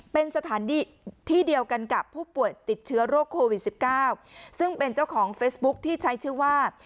เป็นสถานที่ที่เดียวกันกับผู้ป่วยติดเชื้อโรคโควิด๑๙ซึ่งเป็นเจ้าของเฟซบุ๊คที่ใช้ชื่อว่า